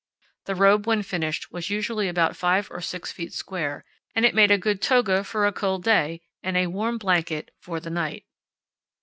The robe when finished was usually about five or six feet square, and it made a good toga for a cold day and a warm blanket for the night.